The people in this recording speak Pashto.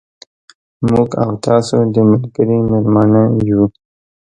موږ او تاسو د ملګري مېلمانه یو.